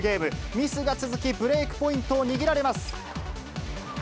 ミスが続き、ブレークポイントを握られます。